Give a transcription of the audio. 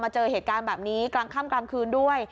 เจอเหตุการณ์แบบนี้กลางค่ำกลางคืนด้วย